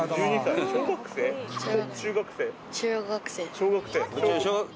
小学生。